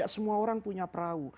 semua orang punya perahu